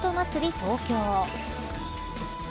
東京。